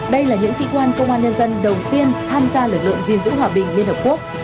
đây là những sĩ quan công an nhân dân đầu tiên tham gia lực lượng gìn giữ hòa bình liên hợp quốc